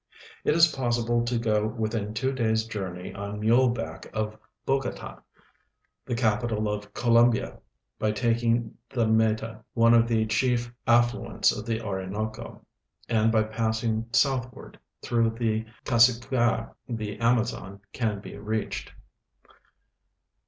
It is possil)le to go within two days' journey on mule back of Bogota, the capital of Colombia, by taking the Meta, one of the chief affluents of the Orinoco, and by passing southward through the Cassiquiare the Amazon can be reached.